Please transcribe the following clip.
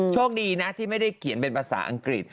โชคดีนะที่ไม่ได้เขียนเป็นภาษาอังกฤษ